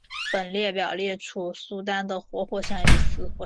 本列表列出苏丹的活火山与死火山。